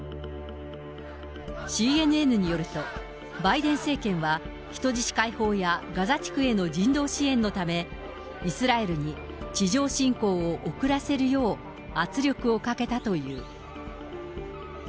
ＣＮＮによると、バイデン政権は人質解放や、ガザ地区への人道支援のため、イスラエルに地上侵攻を遅らせるよう圧力をかけたという。